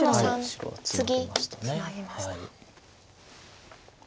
白はツナぎました。